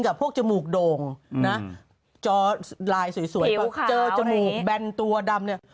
จากพวกจมูกโด่งนะจอลายสวยปุ๊บเจอจมูกแบนตัวดำเนี่ย